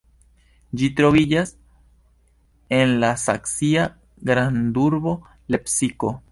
Ĝi troviĝas en la saksia grandurbo Lepsiko.